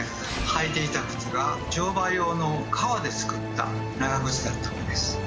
履いていた靴が乗馬用の革で作った長ぐつだったのです。